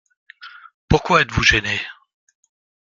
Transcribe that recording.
Pourquoi êtes-vous gêné ?